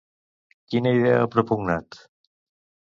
Quina idea ha propugnat?